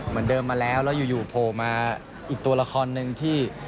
เหมือนเดิมมาแล้วแล้วอยู่โผล่มาอีกตัวละครหนึ่งที่